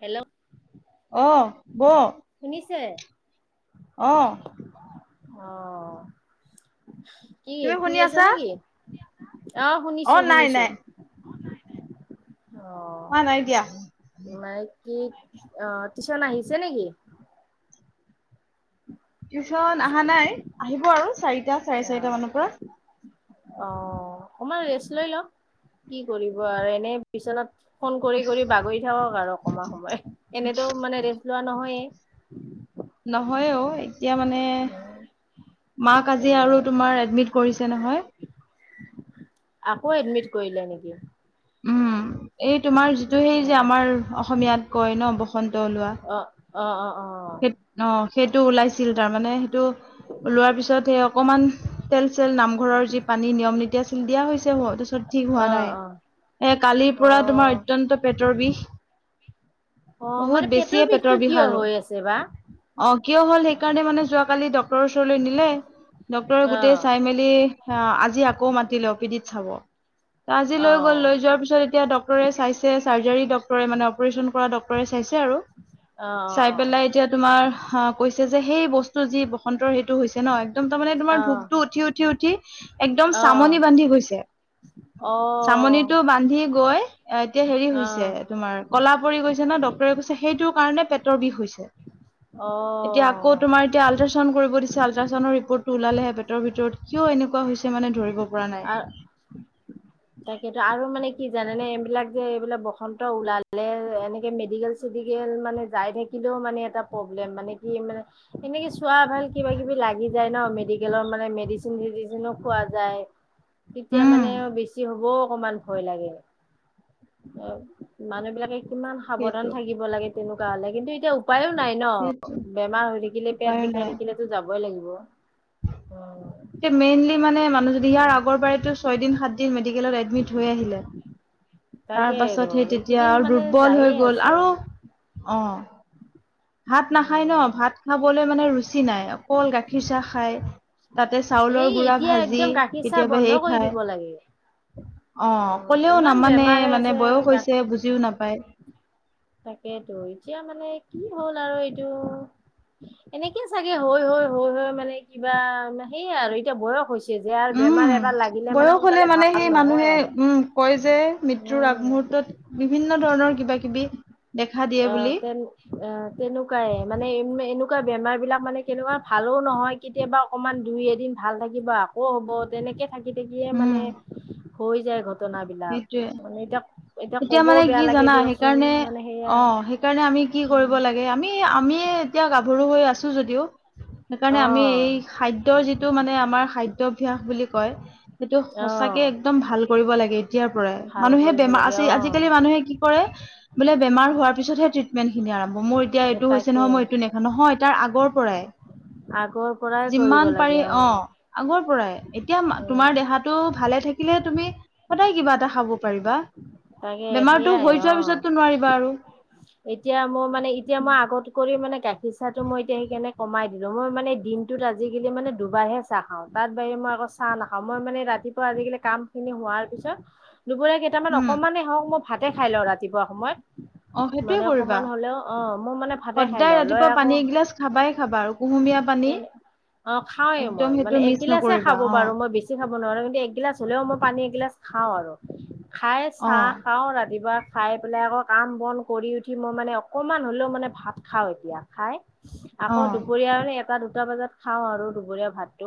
Hello অহ বহ। শুনিছে? অ, অ কি তুমি শুই শুনি আছা নেকি। অহ অ শুনিছো নাই শুনিছো। নাই মই নাই দিয়া। মানে কি অ টিচন আহিছে নেকি। টিউচন অহা নাই আহিব আৰু চাৰিটা চাৰে চাৰিটা মানৰ পৰা। অ'। অকমান ৰেষ্ট লৈ লওঁ কি কৰিব আৰু এনে বিছনাত ফোন কৰি কৰি বাগৰি থাকক আৰু অকণমান সময় এনেটো মানে ৰে [unintelligible] ৱা নহয়ে। নহয়ে অ', এ এতিয়া মানে মাক আজি তাকে আৰু তোমাৰ এডমিট কৰিছে নহয়। আকৌ এডমিট কৰিলে নেকি? উম, এই তোমাৰ যিটো সেই যে অ'। আমাৰ অসমীয়াত কয় ন' বসন্ত ওলোৱা। অ' অ' অ' অ' সেই অ', সেইটো ওলাইছিল তাৰমানে সেইটো ওলোৱাৰ পিছত সেই অকমান তেল চেল নামঘৰৰ যি পানী নিয়ম নীতিয়া দিয়া হৈছে, ঘৰতে চব ঠিক হোৱা অ' নাই অ'। এ কালিৰ পৰা তোমাৰ অ' অত্যন্ত পেটৰ বিষ। অ', বহুত মানে বেছিয়ে পেটৰ বিষটো বিষ কিয় আৰু হৈ আছে বা? অ', কিয় হ'ল সেইকাৰণে মানে যোৱা কালি ডক্তৰৰ ওচৰলৈ নিলে, ডক্তৰে অ'। গোটেই চাই মেলি ৱি অ', আজি আকৌ মাতিলে অ' পি ডিত চাব। ত' আজি অ', লৈ গ'ল, লৈ যোৱাৰ পিছত এতিয়া ডক্তৰে চাইছে চাৰ্জাৰী ডক্তৰে মানে অপাৰেশ্বন কৰা ড চাইছে আৰু চাই অ', পেলাই এতিয়া তোমাৰ অহ, কৈছে যে সেই বস্তু যি বসন্ত টো হৈছে ন' এক্দম তাৰমানে তোমাৰ অ', ধূপটো উঠি, উঠি, উঠি একদম অ', চামনি বান্ধি গৈছে। [inaudible] অ'। চামনিটো বান্ধি গৈ এতিয়া হেৰি হৈছে তোমাৰ ক'লা পৰি গৈছে ন' ড্ক্তৰে কৈছে সেইটো কাৰণে পেটৰ বিষ হৈছে। এতিয়া আকৌ তোমাৰ এতিয়া আল্ট্ৰাচাউন্ড কৰিব দিছে আল্ট্ৰাচাউন্ডৰ ৰিপৰ্টটোওলালেহে ভিতৰত কিয় এনেকুৱা হৈছে মানে ধৰিব পৰা নাই। তাকেতো আৰু মানে কি জানে নে এইবিলাক যে এইবিলাক বসন্ত ওলালে এনেকে মেডিকেল চ যাই থাকিলেও মানে এটা প্ৰব্লেম মানে কি মানে এনেকে চোৱা ভাল কিবা কিবি লাগে যায় ন, মেদিকেলৰ মানে মেডিচিন খোৱা যায়, তেতিয়া উম মানে বেছি ধুবও অকমান ভয় লাগে, মানুহ বিলাকে কিমান সাৱধান সেইটো থাকিব লাগে তেনেকুৱা হলে কিন্তু এতিয়া উপায়ো নাই ন! সেইটো বেমাৰ হৈ থাকিলে পেট উপায়ো বিষাই নাই থাকিলেতো যাব ই লাগিব উ মেইনলি মানে মানুহ যদি ইয়াৰ আগৰ বাৰতো ছয় দিন সাত দিন মেডিকেলত এডমিট হৈ আহিলে তাৰ তাকে আৰু পাছত সেই তেতিয়া এইকেইদিন আৰু মানে দুৰ্বল হৈ যায়ে গ'ল আছে আৰু, অ' ভাত নাখায় ন? উম ভাত খাবলৈ মানে ৰুচি নাই, অকল গাখীৰ চাহ খায়। তাতে চাউলৰ এই গুড়া এতিয়া ভাঁজি, একদম গাখীৰ চাহ কেতিয়াবা বন্ধ সেই কৰি খায় দিব লাগে অ', কলেও ইমান নামানে বেমাৰ হৈ মানে আছে বয়স হৈছে, বুজিও নাপায়। তাকেইেতো, এতিয়া মানে কি হ'ল আৰু এইটো এনেকে চাগে হৈ হৈ, হৈ হৈ মানে কিবা মানে সেইয়া আৰু এতিয়া বয়স হৈছ উম, বয়স হলে মানে ভাল সেই নহয় মানুহে আৰু উম, কয় যে মৃত্যুৰ উম আগমুহুত তাত বিভিন্ন ধৰণৰ কিবা কিবি দেখা দিয়ে অ' বুলি তেন, অ তেনেকুৱাই, মানে এম এ এনেক কুৱা বেমাৰবিলাক মানে কেনেকুৱা ভালো নহয়, কেতিয়াবা অকমান দুই এদিন ভাল থাকিব আকৌ হ'ব, তেনেকে থাকি থাকিয়ে উম মানে হৈ যায় ঘট টনা বিলাক। সেইটোৱে মানে এতিয়া এতিয়া কবও মানে বেয়া কি লাগে জানা দিয়কচোন, সেইকাৰণে মানে সেয়া অ সেইকাৰণে আমি কি কৰিব লাগে, আমি আমি এতিয়া গাভৰু হৈ আছোঁ যদিও সেইকাৰণে আমি এই অ' সাদ্য যিটো মানে আমাৰ সাদ্যাভ্যাস বুলি কয় সেইটো সঁচাকে অ' একদম ভাল কৰিব লাগে এতিয়াৰ পৰাই। ভাল মানুহে কৰিব বেমাৰ লাগে আছি অ' আজিকালি মানুহে কি কৰে বোলে বেমাৰ হোৱাৰ পিছতহে ট্ৰিটমেণ্টখিনি আৰম্ভ মোৰ এতিয়া এইটো হৈছে তাকে নহয়, মই এইটো নেখা নহয় তাৰ আগৰ আগৰ পৰাই পৰাই। কৰিব যিমান লাগে পাৰি অ', আগৰপ পৰাই, এতিয়া এ তোমাৰ দেহাটো ভালে থাকিলে তুমি সদায় কিবা এটা খাব পাৰিবা। তাকে বেমাৰটো সেইয়াই হৈ যোৱাৰ অ' পিছততো নোৱাৰিবা আৰু। এতিয়া মই মানে এতিয়া মই আগত কৰি মানে গাখীৰ চাহটো মই এতিয়া সেইকাৰণে কমাইদ মই মানে দিনটোত আজিকালি মানে দুবাৰহে চাহ খাওঁ, তাত বাহিৰে মই আকৌ চাহ নাখাওঁ। মই মানে ৰাতিপুৱা আজিকালি কামখিনি হোৱাৰ পিছত, দুপৰীয়া কেইটামান উম হক মই ভাতে খাই লওঁ ৰাতিপুৱা সময়ত অ সেইটোৱে মানে কৰিবা। অকমান হ'লেও অ মই মানে ভাতে খাই সদায় লওঁ লৈ ৰাতিপুৱা আকৌ পানী এগিলাচ খাবাই খাবা আৰু ক কুমিযয়া পানী তেনে অ' খাওঁৱে একদম মই, সেইটো মানে মিচ এগিলাছে নকৰিবা খাব অ পাৰো মই, বেছি খাব নোৱাৰোঁ, কিন্তু এগিলাছ হলেও মই পানী এগিলাছ খাওঁ আৰু, খাই অ চাহ খাওঁ ৰাতিপুৱা খাই পেলাই আকৌ কাম বন কৰি উঠি মই মানে অকমান হলেও মানে ভাত খাওঁ এতিয়া খাই অ আকৌ দুপৰীয়া মানে এটা দুটা বজাত খাওঁ আৰু দুপৰীয়া ভাতটো।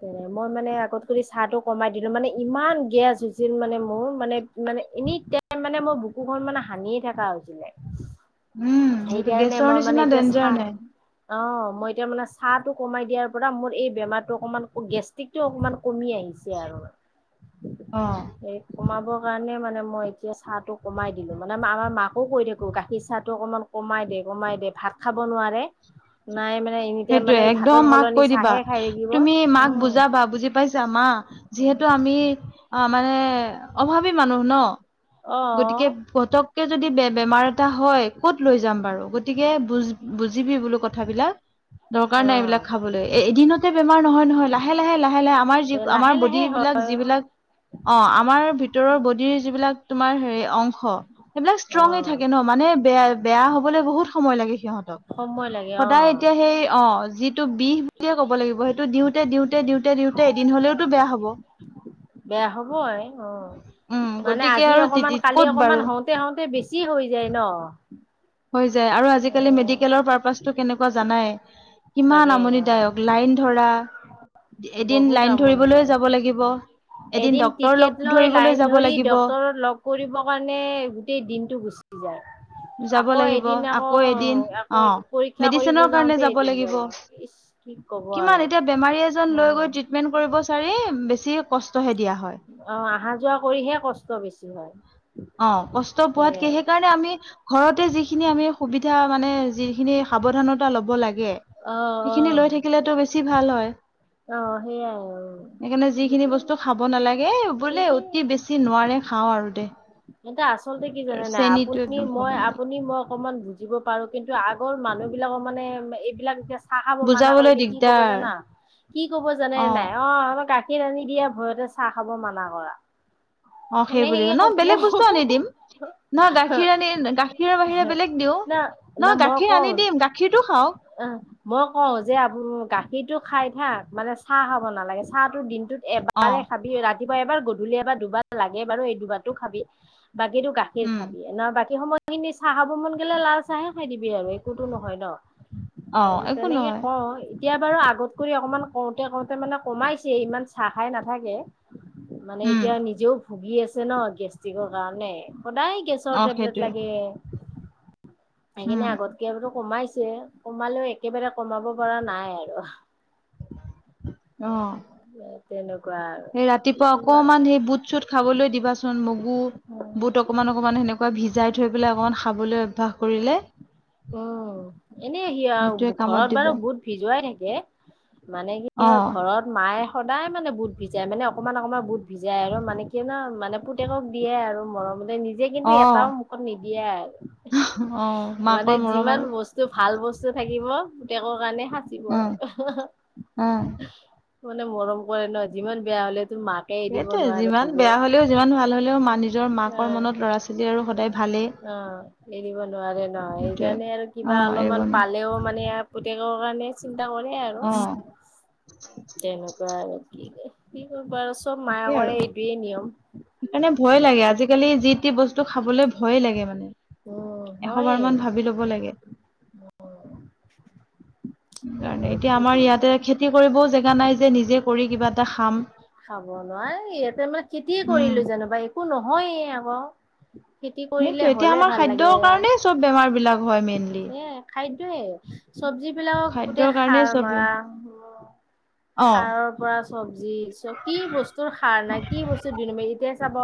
তেনে মই মানে আগত কৰি চাহটো কমাই দিলো মানে ইমান গেছ হৈছিল মানে মোৰ মানে মানে এনি টাইম মানে মই বুকুখন মানে হানিয়ে থকা হৈছে। উম সেইটো সেইকাৰণে গেছৰ মই মানে নিচিনা এতিয়া ডেঞ্জাৰ চা নাই অ মই এতিয়া মানে চাহ টো কমাই দিয়াৰ পৰা মোৰ এই বেমাৰতটো অকণমান গেষ্টিকটো অকণমান কমি আহিছে আৰু অ সেই কমাব কাৰণে মানে মই এতিয়া চাহটো কমাই দিলো মানে আমাৰ মাকো কৈ থাকো গাখীৰ চাহ টো অকনমান কমাই দে কমাই দিয় ভাত খাব নোৱাৰে নাই মানে এনি এতিয়া সেইটোয়ে মানে ভাতৰ একদম মাক সলনি কৈ দিবা চাহে খাই থাকিব তুমি মাক উম বুজাবা বুজি পাইছা মা যিহেতু টো আমি অ মানে অভাৱী মানুহ ন? অঁ। গতিকে পতককে যদি বেমাৰ এটা হয় কত লৈ যাম বাৰু গতিকে বুজ- বুজিবি বোলো কথাবিলাক। দৰকাৰ অ নাই এইবিলাক খাবলৈ এদিনতে বেমাৰ নহয় নহয় লাহে লাহে লাহে লাহে আমাৰ যি আমাৰ লাহে বডী লাহে হয় বিলাক যিবিলাক অ আমাৰ ভিতৰৰ বডিৰ যিবিলাক তোমাৰ হেৰি অংশ সেইবিলাক অ ষ্ট্ৰঙে থাকে ন মানে বেয়া বেয়া হবলৈ বহুত সময় লাগে সিহঁত সময় লাগে অ সদায় এতিয়া সেই অ যিটো বিষ বুলিয়ে কব লাগিব সেইটো দিওঁতে দিওঁতে দিওঁতে তে, দিওঁতে এদিন হলেওতো বেয়া হব। বেয়া হ'বই অ'। উম মানে গতিকে আজি আৰু অকমান কালি ক'ত অকমান বাৰু হওঁতে হওঁতে বেছি হৈ যায় ন'। হৈ যায় আৰু এ আজিকালি মেডিকেলৰ পাৰ্পাচটো কেনেকুৱা জানাই। কিমান তাকে অ আমনিদায়ক লাইন ধৰা এদিন বহুত লাইন আমনি ধৰিবলৈ যাব লাগিব এদিন ডক্তৰ লগ টিকেট লৈ ধৰিবলৈ লাইন যাব ধৰি লাগিব ডাক্তৰক লগ কৰিব কাৰণে গোটেই দিনতটো গুচি যায়। যাব আকৌ লাগিব এদিন আকৌ এদিন আকৌ অ পৰীক্ষা কৰিব মেডিচিনৰ কাৰণে যাওঁতে যাব এদিন লাগিব ইচ কি ক'ব কিমান আৰু এতিয়া বেমাৰী এজন লৈ উম গৈ ট্ৰিটমেন্ট কৰিব চাৰি বেছি কষ্ট অ', অহা যোৱা কৰিহে কষ্ট বেছি হয়। অ', কষ্ট পোৱাতকে সেয়াই সেইকাৰণে আমি ঘৰতে যিখিনি আমি সুবিধা মানে যিখিনি সাৱধানতা ল'ব লাগে অ অ সেইখিনি লৈ থাকিলেতো বেছি ভাল হয়। অ সেইয়াই আৰু সেইকাৰণে যিখিনি সেইটোৱে বস্তু খাব নালাগে বোলে এইটোৱে অতি বেছি নোৱাৰি খাওঁ আৰু দে এতিয়া আচলতে কি জানে নাই চেনীটো আপুনি একদম খাব মই নালাগে আপুনি মই ক মান বুজিব পাৰো কিন্তু আগৰ মানুহ বিলাকৰ মানে এইবিলাক যে চাহ খাব মানা বুজাবলৈ কৰিলে কি ক'ব দিগদাৰ জানা কি ক'ব জানে অ নাই অ', গাখীৰ আনি দিয়া ভয়তে চাহ খাব মানা কৰা। অ', সেইবুলি সেনেকে ন ক'ব বেলেগ বস্তু আনি দিম। নহয় গাখীৰ আনি গাখীৰৰ বাহিৰে বেলেগ দিওঁ ন নহয় গাখীৰ আনি দিম গাখীৰটো খাওক আহ মই কওঁ যে আপ গাখীৰটো খাই থাক মানে চাহ খাব নালাগে চাহ তো দিনটোত অ এবাৰে খাবি ৰাতি ৰাতিপুৱা এবাৰ গধূলি এবাৰ দুবাৰ লাগে বাৰু এই দুবাৰটো খাবি বাকীতো গাখীৰ উম খাবি বাকী সময়খিনি চাহ খাব মন গ'লে লাল চাহে খাই দিবি আৰু একোতো নহয় ন' অ একো তেনেকে নহয় কওঁ এতিয়া বাৰু আগত কৰি অকমান কওঁতে কওঁতে মানে কমাইছে ইমান চাহ খাই নাথাকে মানে উম এতিয়া নিজেও ভুগি আছে ন' গেষ্ট্ৰিকৰ কাৰণে সদায় গেছৰ অ টেবলেট সেইটোৱে লাগে উম সেইকাৰণে আগতকৈ বোলো কমাইছে কমালেও একেবাৰে কমাব পৰা নাই আৰু অ', তেনেকুৱা আৰু সেই কি ৰাতিপুৱা ক'বা আৰু অকমান সেই বুট চুট খাবলৈ দিবাচোন মগু বুট অকমান অকমান সেনেকুৱা ভিজাই থৈ পেলাই অকমান খাবলৈ অভ্যাস কৰিলে উম এনে সি সেইটোৱে আৰু কামত ঘৰত দিব বাৰু বুট ভিজুৱাই থাকে মানে কি অ হয় ঘৰত মায়ে সদায় মানে বুট ভিজাই মানে অকমান অকমান বুট ভিজাই আৰু মানে কি না মানে পুতেকক দিয়ে আৰু মৰম মানে নিজে কিন্তু অ এটাও মুখত নিদিয়ে অ আৰু মানে মাকৰ মৰম যিমান আৰু বস্তু ভাল বস্তু থাকিব পুতেকৰ কাৰণে সাঁচিব [inaudible] অ আৰু অ মানে মৰম কৰে ন' যিমান বেয়া হ'লে সেইটোৱে যিমান বেয়া হ'লেও যিমান ভাল হলেও মা নিজৰ মাকৰ অ মনত ল'ৰা- ছোৱালী আৰু সদায় ভাল অ', এৰিব নোৱাৰে ন' সেইটোৱে সেইকাৰণে আৰু অ কিবা এৰিব অলপমান নোৱাৰে পালেও মানে পুতেকৰ কাৰণে চি চিন্তা কৰে আৰু অ তেনেকুৱা আৰু কি কি কৰিব আৰু চব তাকেই আৰু মায়াকৰে এইটোৱে নিয়ম সেইকাৰণে ভয় লাগে আজিকালি যি যিটি বস্তু খাবলৈ ভয়ে লাগে মানে উম এশবাৰ হয়ে মান ভাবি ল'ব লাগে। সেইকাৰণে হয় এতিয়া কি আমাৰ কৰিব ইয়াতে খেতি কৰিবও জেগা নাই যে নিজে কৰি কিবা এটা খাম। খাব নোৱাৰি ইহঁতে মানে খেতিয়ে উম কৰিলোঁ জানো বা একো নহয়ে আকৌ খেতি সেইটোৱে কৰিলে এতিয়া হ'লে আমাৰ ভাল খাদ্যৰ লাগে কাৰণেই চব বেমাৰ বিলাক হয় মেইনলি এহ খাদ্যয়ে চবজি বিলাক খাদ্যৰ গোটেই কাৰণেই সাৰ চব বে- মাৰা। অ সাৰৰ পৰা চবজি চ, কি বস্তুৰ সাৰ নাই কি বস্তুৰ দুই নম্বৰ এতিয়াই চাব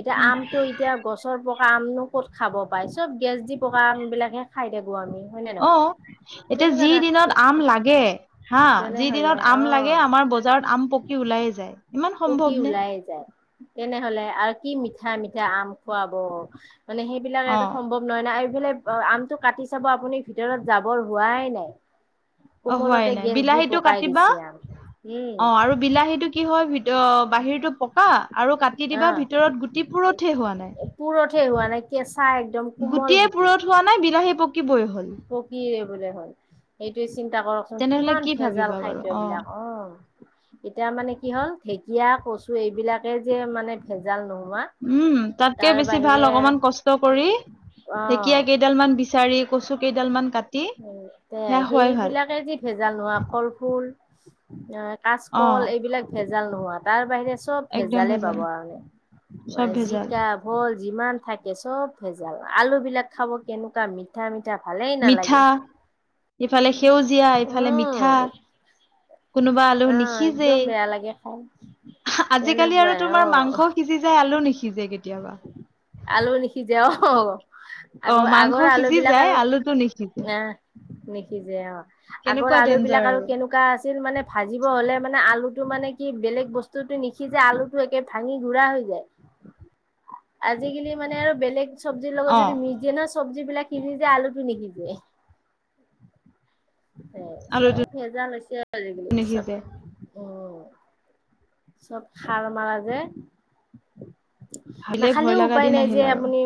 এতিয়া আমটো এতিয়া গছৰ প পকা আমনো ক'ত খাব পাই, চব গেছ দি পকা আম বিলাকে খাই থাকো আমি হয় নে অ নহয়? এতিয়া তেনেকুৱা যি দিনত ধৰ আম লাগে হা যি তেনেহলে দিনত আম অ লাগে আমাৰ বজাৰত আম পকি ওলাই যায়। ইমান পকি সম্ভৱ নে? ওলাই যায় তেনেহ'লে আৰু কি মিঠাই মিঠাই আম খুৱাব মানে সেইবিলাক অ এইটো সম্ভৱ নহয় ন' এইফালে আমটো কাটি চাব আপুনি ভিতৰত যাবৰ হোৱাই [unintelligible] অ', হোৱাই কোমলতে নাই গেছ দি বিলাহীটো পকাই কাটিবা দিছে আম উম অ', আৰু বিলাহীটো কি হয় ভিত বাহিৰতটো পকা আৰু কাটি দিবা ভিতৰত গুটি পুৰতহে হোৱা নাই পুৰতহে হোৱা নাই কেঁচা একদম কোমল গুটিয়ে গুটি পুৰঠ হোৱা নাই বিলাহী পকিবই হ'ল পকয়ে বোলে হ'ল এইটো চিন্তা কৰকচোন তেনেহলে কিমান কি ভেজাল ভাবিবা বাৰু অ খাদ্যবিলাক অ', এতিয়া মানে কি হ'ল ঢেকীয়া, কচু এইবিলাকে যে মানে ভেজাল নহ'ল উম তাতকে বেছি ভাল অকমান কষ্ট কৰি ঢেকীয়া কেইডাল মান বিচাৰি কচু কেইডাল মান কাটি এহ সেয়া খোৱাই ভাল সেইবিলাকে যি ভেজাল নোহোৱা কলফুল অ কাচকল এইবিলাক ভেজাল নোহোৱা তাৰ বাহিৰে চব একদম ভেজালে পাব ভেজাল আৰু চব মানে ভেজাল জিকা, ভোল যিমান থাকে চব ভেজাল আলু বিলাক খাব কেনেকুৱা মিঠা মিঠা মিঠা ভালেই নালাগে মিঠা ইফালে সেউজীয়া ইফালে মিঠা উম কোনোবা আলু অ', একদম নিসিজেই বেয়া লাগে খাই আজিকালি আৰু তেনেকুৱাই তোমাৰ অ', মাংসও সিজি যায় আলু নিসিজে কেতিয়াবা আলু নিসিজে অ', অ আগৰ মাংস আগৰ আলু সিজি বিলাক যায় আৰু আলুটো নিসিজে আহ নিখিজে অ', আগৰ কেনেকুৱা আলু ডেঞ্জাৰ বিলাক আৰু কেনেকুৱা আছিল মানে ভাজিব হ'লে মানে আলুটো মানে কি বেলেগ বস্তুতটো নিসিজে আলুটো একে ভাঙি ঘুৰা হৈ যায় আজিকালি মানে আৰু বেলেগ চবজি লগত অ যদি মিজ দিয়ে ন' চবজি বিলাক সিজি যে আলুটো নিসিজে। এহ চব আলুটো ভেজাল হৈছে আজিকালি চব। নিসিজে অ', চব সাৰ মাৰা যে, ভাবিলে ভয় নাখালেও লগা উপায় দিন নাই যে আহিল আৰু আপুনি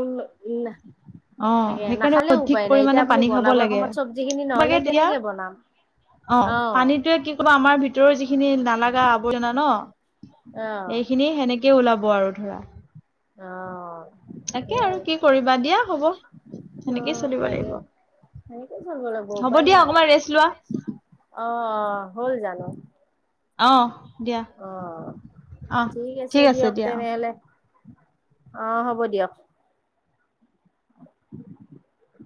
উম [inaudible] অ', তাকে সেইকাৰণে নাখালেও অধিক উপায় নাই পৰিমণে এতিয়া আপুনি পানী খাব বনাবৰ লাগে, সময়ত চব্জি খিনি ইবাগে নহ'লে দিয়া কেনেকে বনাম অ', অহ পানীটোয়ে কি কবা আমাৰ ভিতৰৰ যিখিনি নালাগা আৱৰ্জনা অহ ন' এইখিনি সেনেকেই ওলাব আৰু ধৰা অহ তাকে সেই আৰু কি কৰিবা দিয়া হ'ব অ সেনেকেই চলিব তাকে লাগিব। সেনেকে চলিব লাগিব হ'ব উপায় দিয়া নাই অকমান আৰু অ', ৰেষ্ট লোৱা অ', হ'ল জানো? অ দিয়া অ', অ ঠিক আছে দিয়ক তেনেহ'লে। অ', হ'ব দিয়ক। [inaudible]